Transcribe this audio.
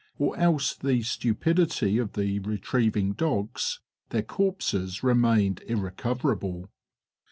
or else the stupidity of the retrieving dogs their corpses remained irrecoverable.